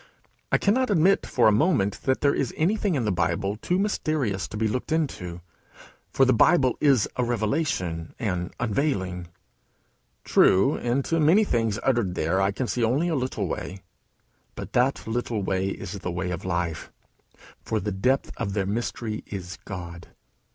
I cannot admit for a moment that there is anything in the Bible too mysterious to be looked into; for the Bible is a revelation, an unveiling. True, into many things uttered there I can see only a little way. But that little way is the way of life; for the depth of their mystery is God.